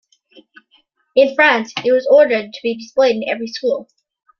In France, it was ordered to be displayed in every school.